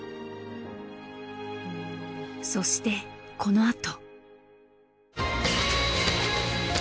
そしてこのあと。